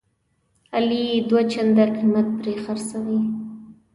علي یې دوه چنده قیمت پرې خرڅوي.